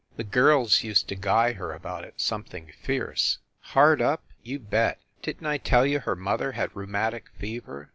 The girls used to guy her about it something fierce. Hard up ? You bet ! Didn t I tell you her mother had rheumatic fever?